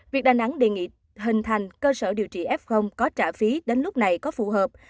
việc đà nẵng đề nghị hình thành cơ sở điều trị f có trả phí đến lúc này có phù hợp